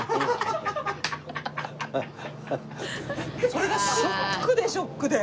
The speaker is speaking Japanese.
それがショックでショックで。